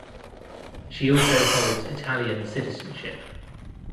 She also holds Italian citizenship.